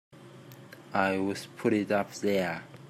I would put it up there!